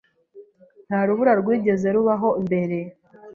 Nta rubura rwigeze rubaho mbere.